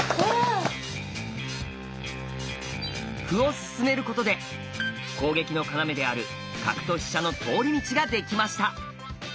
歩を進めることで攻撃の要である角と飛車の通り道ができました。